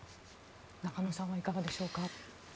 中野さんはいかがでしょうか？